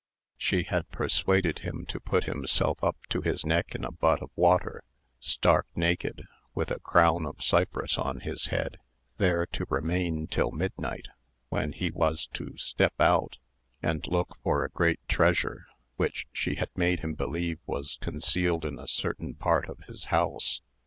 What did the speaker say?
She had persuaded him to put himself up to his neck in a butt of water, stark naked, with a crown of cypress on his head, there to remain till midnight, when he was to step out, and look for a great treasure, which she had made him believe was concealed in a certain part of his house.